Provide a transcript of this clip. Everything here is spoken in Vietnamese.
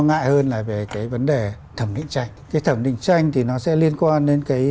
lo ngại hơn là về cái vấn đề thẩm định tranh cái thẩm định tranh thì nó sẽ liên quan đến cái